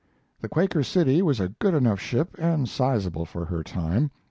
The Quaker City was a good enough ship and sizable for her time.